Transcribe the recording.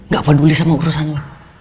gak peduli sama urusan lo